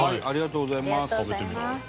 ありがとうございます。